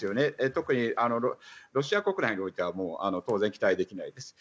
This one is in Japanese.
特にロシア国内においては当然、期待できないです。